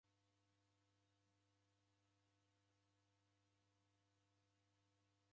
Kusekeniobua ini ne mwanyinyu mbaa.